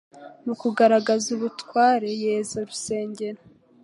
Mu kugaragaza ubutware yeza urusengero,